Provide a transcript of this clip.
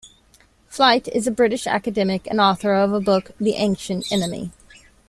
Flyte is a British academic and author of a book, "The Ancient Enemy".